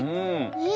えっ！